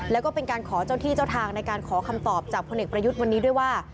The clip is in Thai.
แล้วก็เป็นการขอเจ้าที่เจ้าทางในการขอคำตอบจากพลเอกประยุทธ์วันนี้ด้วยว่า